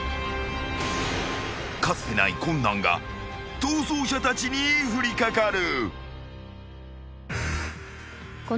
［かつてない困難が逃走者たちに降りかかる］